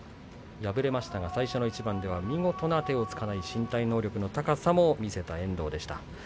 敗れましたが最初の一番では見事な手をつかない身体能力の高さも見せた遠藤でした。